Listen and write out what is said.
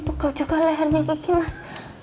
pegal juga lehernya kiki mas